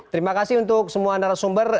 terima kasih untuk semua narasumber